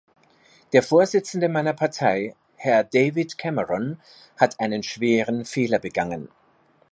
Der Vorsitzende meiner Partei, Herr David Cameron, hat einen schweren Fehler begangen.